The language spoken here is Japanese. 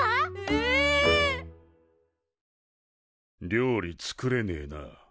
料理作れねえな。